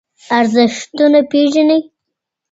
ارزښتونه پېژنئ.